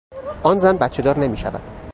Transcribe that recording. آن زن بچهدار نمیشود.